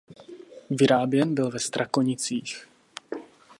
Vyráběn byl ve Strakonicích.